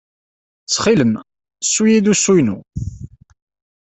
Ttxil-m, ssu-iyi-d usu-inu.